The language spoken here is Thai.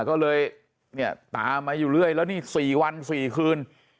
ก็เลยเนี่ยตามมาอยู่เรื่อยแล้วนี่๔วัน๔คืน